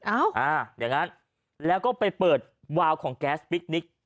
อ่าอย่างนั้นแล้วก็ไปเปิดวาวของแก๊สพิคนิค